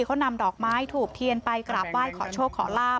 เขานำดอกไม้ถูกเทียนไปกราบไหว้ขอโชคขอลาบ